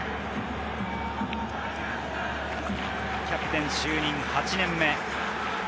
キャプテン就任８年目。